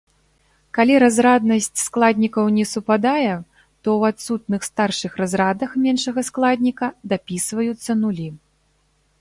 Калі разраднасць складнікаў не супадае, то ў адсутных старшых разрадах меншага складніка дапісваюцца нулі.